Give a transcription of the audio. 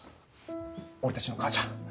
俺たちの母ちゃん